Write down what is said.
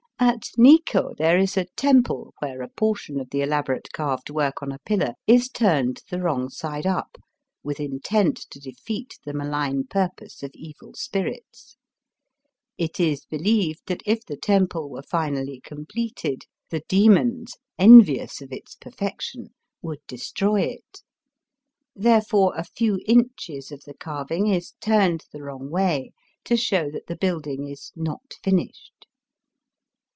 At Nikko there is a temple where a portion of the elaborate carved work on a pillar is turned the wrong side up, with intent to defeat the malign purpose of evil spirits. It is believed that if the temple were finally completed, the demons, envious of its perfection, would destroy it. Therefore a few inches of the carving is turned the wrong way to show that the building 'Ms not finished."